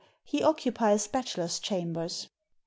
He occupies bachelor's chambers."